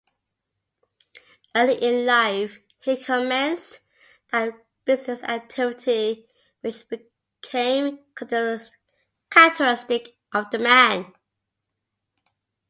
Early in life he commenced that business activity which became characteristic of the man.